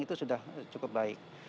itu sudah cukup baik